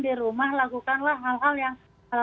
di rumah lakukanlah hal hal yang